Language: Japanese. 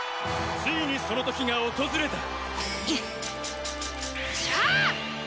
ついにその時が訪れたっしゃ！